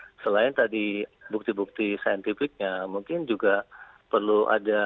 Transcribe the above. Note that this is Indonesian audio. nah jadi selain tadi bukti bukti scientific nya mungkin juga perlu ada